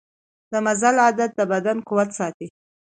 د مزل عادت د بدن قوت ساتي.